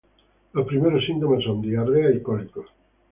Los primeros síntomas son diarrea y cólicos.